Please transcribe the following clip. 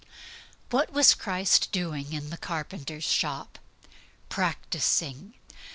What was Christ doing in the carpenter's shop? Practising.